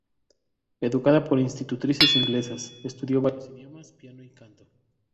Educada por institutrices inglesas, estudió varios idiomas, piano y canto.